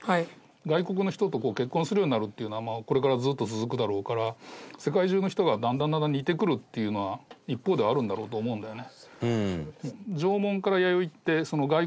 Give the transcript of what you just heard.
外国の人と結婚するようになるっていうのはこれから、ずっと続くだろうから世界中の人がだんだん、だんだん似てくるっていうのは一方では、あるんだろうと思うんだよね。